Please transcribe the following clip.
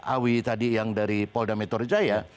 awi tadi yang dari polda metro jaya